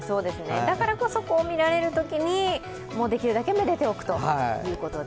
だからこそ見られるときにできるだけ愛でておくということで。